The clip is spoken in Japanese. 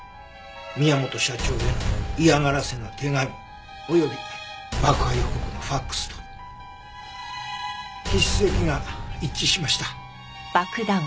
宮本社長への嫌がらせの手紙および爆破予告のファクスと筆跡が一致しました。